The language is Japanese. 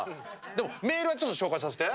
でもメールはちょっと紹介させて。